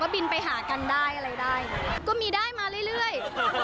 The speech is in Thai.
บินไปหากันได้อะไรได้ก็มีได้มาเรื่อย